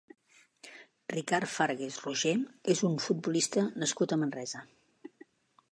Ricard Fargas Roger és un futbolista nascut a Manresa.